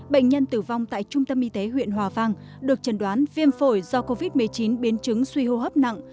bệnh nhân tử vong tại trung tâm y tế huyện hòa vang được trần đoán viêm phổi do covid một mươi chín biến chứng suy hô hấp nặng